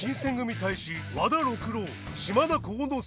隊士和田六郎島田幸之介。